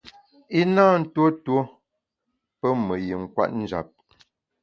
I na ntuo tuo pé me yin kwet njap.